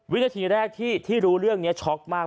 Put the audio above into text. วินาทีแรกที่รู้เรื่องนี้ช็อกมาก